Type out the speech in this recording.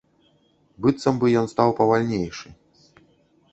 Быццам бы ён стаў павальнейшы.